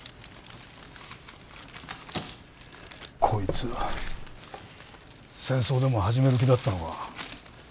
こいつは戦争でも始める気だったのか。